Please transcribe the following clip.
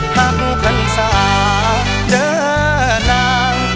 หักทันสาวเดินทาง